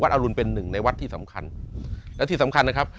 อรุณเป็นหนึ่งในวัดที่สำคัญและที่สำคัญนะครับ